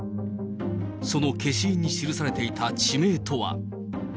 その消印に記されていた地名とは？